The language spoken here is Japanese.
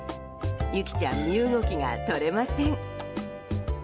ユキちゃん身動きが取れません。